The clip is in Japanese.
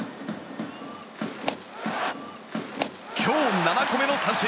今日７個目の三振。